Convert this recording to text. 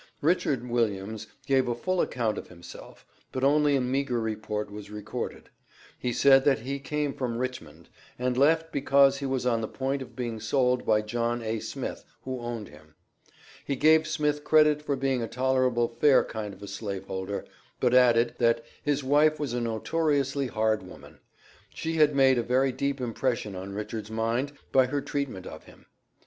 Richard Williams gave a full account of himself, but only a meagre report was recorded. He said that he came from Richmond, and left because he was on the point of being sold by John A. Smith, who owned him. He gave Smith credit for being a tolerable fair kind of a slave holder, but added, that "his wife was a notoriously hard woman;" she had made a very deep impression on Richard's mind by her treatment of him.